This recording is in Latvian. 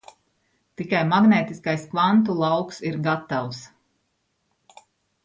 Tikai magnētiskais kvantu lauks ir gatavs.